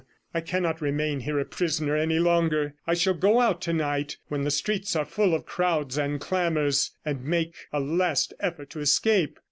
I cannot remain here a prisoner any longer. I shall go out to night when the streets are full of crowds and clamours, and make a last effort to escape.